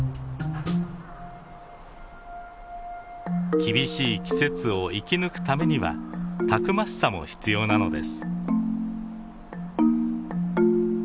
厳しい季節を生き抜くためにはたくましさも必要なのです。